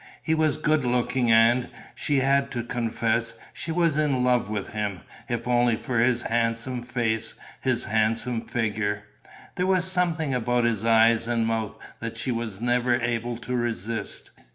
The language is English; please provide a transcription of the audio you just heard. He was good looking and, she had to confess, she was in love with him, if only for his handsome face, his handsome figure. There was something about his eyes and mouth that she was never able to resist.